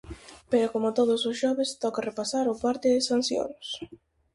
Pero coma todos os xoves toca repasar o parte de sancións.